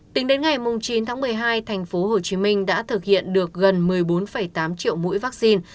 tính đến ngày chín tháng một mươi hai tp hcm đã thực hiện được gần một mươi bốn tám triệu mũi vaccine